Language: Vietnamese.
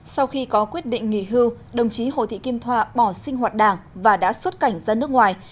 sau khi có quyết định nghỉ hưu đồng chí hồ thị kim thoa bỏ sinh hoạt đảng và đã xuất cảnh ra nước ngoài